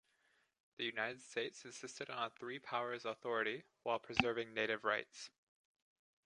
The United States insisted on a three powers authority while preserving native rights.